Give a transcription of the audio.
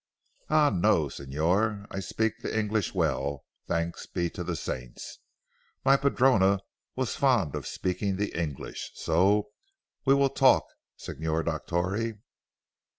"Ah no, Signor, I speak the English well, thanks be to the saints. My padrona was fond of speaking the English. So, we will talk Signor Dottore."